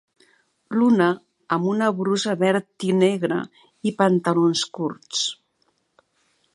L'una, amb una brusa verd-i-negra i pantalons curts.